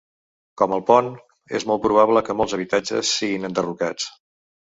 Com el pont, és molt probable que molts habitatges siguin enderrocats.